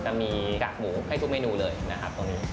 จะมีกากหมูให้ทุกเมนูเลยนะครับตรงนี้